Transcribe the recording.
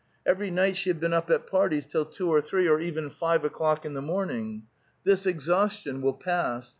Every night she had been up at parties till two or three, or even five o'clock, in the morn ing. "This exhaustion will pass."